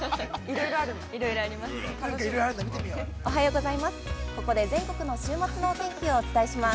◆おはようございます。